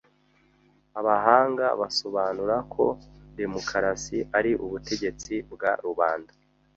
Abahanga basobanura ko demukarasi ari ubutegetsi bwa rubanda